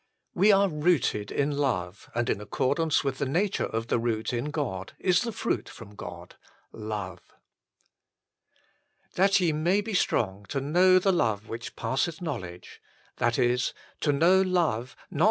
We are rooted in love, and in accordance with the nature of the root in God is the fruit from God love. That ye may be strong to know the love which passeth knowledge : that is, to know love not with 1 1 Cor.